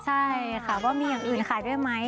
ใช่ค่ะว่ามีอย่างอื่นขายด้วยไหม